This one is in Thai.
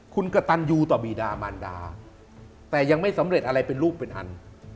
คุณกระตันยูต่อบีดามารดาแต่ยังไม่สำเร็จอะไรเป็นรูปเป็นอัน